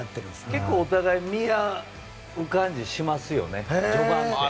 結構、お互いに見合う感じがしますよね。